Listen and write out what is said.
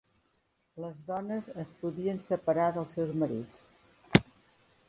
Les dones es podien separar dels seus marits.